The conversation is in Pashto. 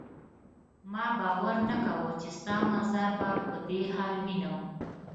ما باور نه کاوه چې ستا مزار به په دې حال وینم.